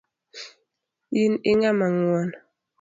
In ing'ama ngwon.